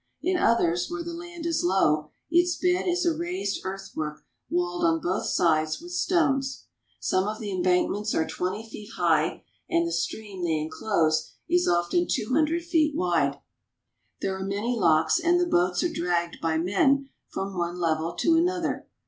In others, where the land is low, its bed is a raised earthwork walled on both sides with stones. Some of the embankments are twenty feet high, and the stream they inclose is often two hundred feet CHINESE BOATS AND BOAT PEOPLE Ijl wide. There are many locks, and the boats are dragged by men from one level to another.